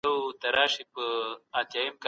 علم د موضوعاتو په اړه منظم پوهاوی نه دی.